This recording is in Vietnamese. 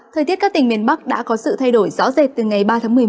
thời tiết các tỉnh miền bắc đã có sự thay đổi rõ rệt từ ngày ba tháng một mươi một